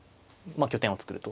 あ拠点を作ると。